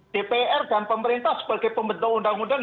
dpr dan pemerintah sebagai pembentuk undang undang